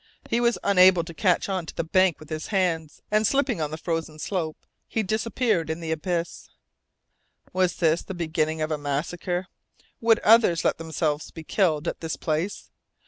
He was unable to catch on to the bank with his hands, and slipping on the frozen slope, he disappeared in the abyss. Was this the beginning of a massacre? Would others let themselves be killed at this place?